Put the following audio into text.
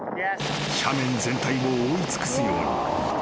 斜面全体を覆い尽くすように雪崩が発生］